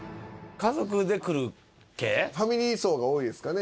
ファミリー層が多いですかね